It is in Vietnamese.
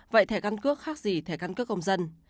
vậy thẻ căn cước khác gì thẻ căn cước công dân